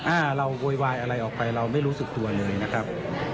อ่าเราโวยวายอะไรออกไปเราไม่รู้สึกตัวเลยนะครับ